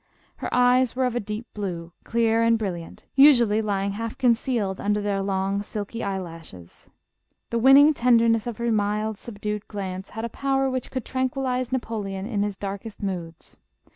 Her eyes were of a deep blue, clear and brilliant, usually lying half concealed under their long silky eye lashes. The winning tenderness of her mild, subdued glance, had a power which could tranquillize Napoleon in his darkest moods.